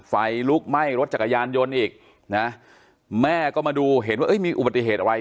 ไฟลุกไหม้รถจักรยานยนต์อีกนะแม่ก็มาดูเห็นว่าเอ้ยมีอุบัติเหตุอะไร